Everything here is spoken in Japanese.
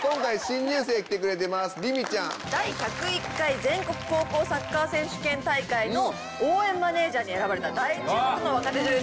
第１０１回全国高校サッカー選手権大会の応援マネージャーに選ばれた大注目の若手女優さんです。